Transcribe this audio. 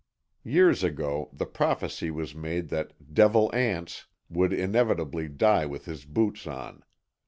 Years ago the prophecy was made that "Devil Anse" would inevitably die with his boots on.